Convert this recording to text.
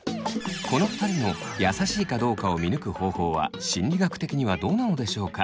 この２人の優しいかどうかを見抜く方法は心理学的にはどうなのでしょうか？